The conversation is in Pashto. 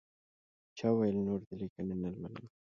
چا ویل نور دې لیکنې نه لولم.